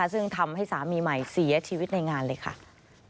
ซึ่งทำให้สามีใหม่เสียชีวิตในงานเลยค่ะ